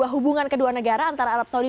hubungan kedua negara antara arab saudi